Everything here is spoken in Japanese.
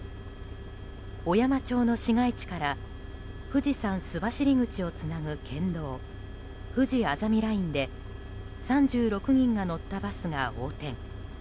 小山町の市街地から富士山須走口をつなぐ県道ふじあざみラインで３６人が乗ったバスが横転。